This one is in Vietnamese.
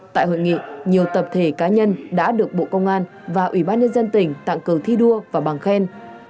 tại hội nghị nhiều tập thể cá nhân đã được bộ công an và ủy ban nhân dân tỉnh tặng cờ thi đua và bằng khen